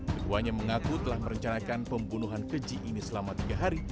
keduanya mengaku telah merencanakan pembunuhan keji ini selama tiga hari